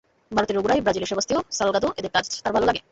ভারতের রঘু রাই, ব্রাজিলের Sebastiao Salgado এঁদের কাজ তাঁর ভাল লাগে।